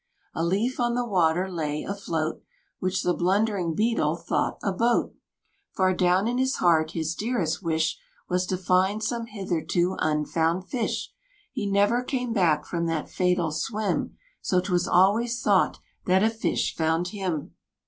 A leaf on the water lay afloat, Which the blundering Beetle thought a boat. Far down in his heart his dearest wish Was to find some hitherto unfound fish. He never came back from that fatal swim, So 'twas always thought that a fish found him.